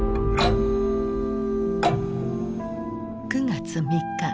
９月３日。